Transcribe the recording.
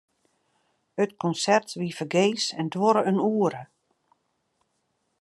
It konsert wie fergees en duorre in oere.